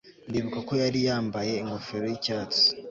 Ndibuka ko yari yambaye ingofero yicyatsi